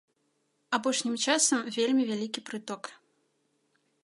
Апошнім часам вельмі вялікі прыток.